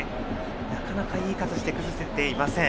なかなかいい形で崩せていません。